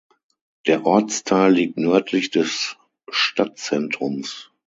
Der Ortsteil liegt nördlich des Stadtzentrums.